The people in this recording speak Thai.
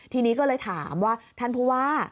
ทีนี้ก็เลยถามว่าท่านผู้ว่า